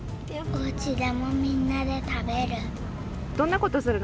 おうちでもみんなで食べる。